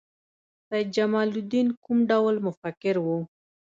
سید جمال الدین کوم ډول مفکر و؟